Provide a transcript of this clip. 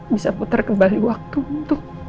bisa putar kembali waktu untuk